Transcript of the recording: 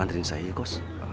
anterin saya ya kos